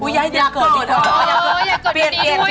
อยากเกิดดีกว่า